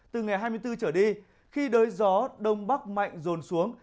từ ngày hai mươi bốn trở đi khi đới gió đông bắc mạnh rồn xuống